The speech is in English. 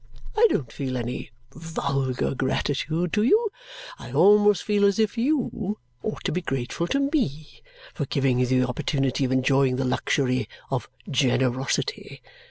I don't feel any vulgar gratitude to you. I almost feel as if YOU ought to be grateful to ME for giving you the opportunity of enjoying the luxury of generosity.